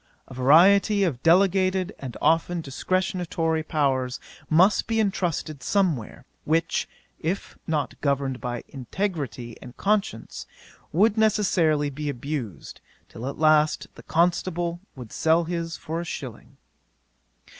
A variety of delegated, and often discretionary, powers must be entrusted somewhere; which, if not governed by integrity and conscience, would necessarily be abused, till at last the constable would sell his for a shilling.